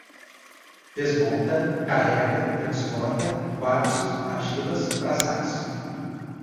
desmonta, carrega, transporta, quartzo, argilas, braçais